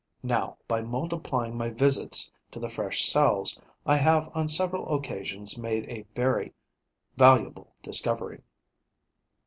Now, by multiplying my visits to the fresh cells, I have on several occasions made a very valuable discovery.